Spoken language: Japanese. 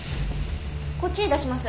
こっちに出します。